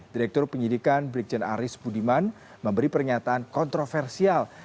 direktur penyidikan brigjen aris budiman memberi pernyataan kontroversial